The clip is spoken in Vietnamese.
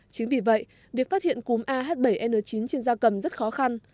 chính vì vậy việc phát hiện cúm ah bảy n chín trên da cầm rất khó khăn